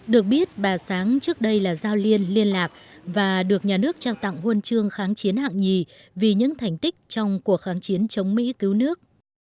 được biết bà sáng trước đây là giao liên lạc và được nhà nước trao tặng huân chương kháng chiến hạng nhì vì những thành tích trong cuộc kháng chiến chống mỹ cứu nước